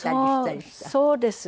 そうです。